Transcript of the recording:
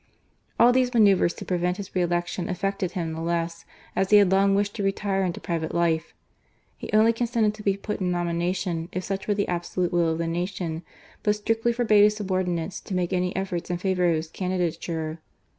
All these manoeuvres to prevent his re election affected him the less, as he had long wished to retire into private life. He only consented to be put in nomination if such were the absolute will of the nation, but strictly forbade his subordinates to make any efforts in favour of his candidature.